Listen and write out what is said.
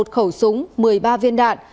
một khẩu súng một mươi ba viên đạn